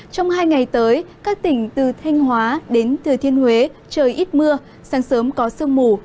trong hai ngày tới các tỉnh từ thanh hóa đến thừa thiên huế trời ít mưa sáng sớm có sương mù